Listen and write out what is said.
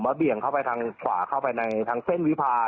เบี่ยงเข้าไปทางขวาเข้าไปในทางเส้นวิพา